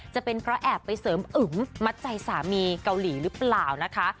จะเป็นเพราะแอบไปเสริมอึมมัดใจสามีเกาหลีหรือเปล่านะคะ